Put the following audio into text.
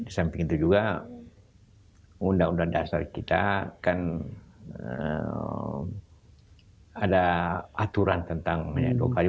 di samping itu juga undang undang dasar kita kan ada aturan tentang dua kali